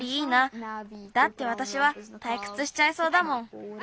だってわたしはたいくつしちゃいそうだもん。